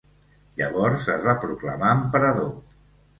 Llavors es va proclamar emperador.